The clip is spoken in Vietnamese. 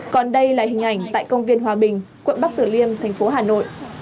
còn đây là hình ảnh tại công viên hòa bình quận bắc tử liêm thành phố hà nội